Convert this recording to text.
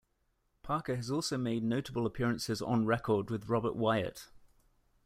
Parker has also made notable appearances on record with Robert Wyatt.